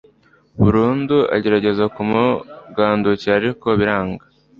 burundu agerageze kumugandukira, ariko biranga